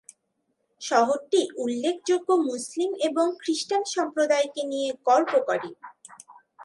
শহরটি উল্লেখযোগ্য মুসলিম এবং খ্রিস্টান সম্প্রদায়কে নিয়ে গর্ব করে।